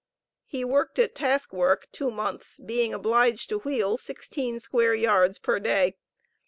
He worked at "task work" two months, being obliged to wheel sixteen square yards per day.